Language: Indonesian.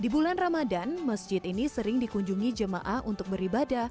di bulan ramadhan masjid ini sering dikunjungi jemaah untuk menjaga keadaan masjid